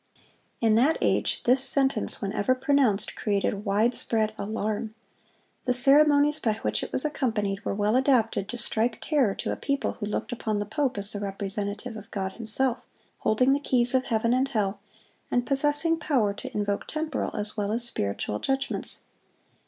In that age this sentence, whenever pronounced, created wide spread alarm. The ceremonies by which it was accompanied were well adapted to strike terror to a people who looked upon the pope as the representative of God Himself, holding the keys of heaven and hell, and possessing power to invoke temporal as well as spiritual judgments.